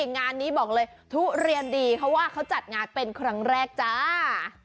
งานนี้บอกเลยทุเรียนดีเพราะว่าเขาจัดงานเป็นครั้งแรกจ้า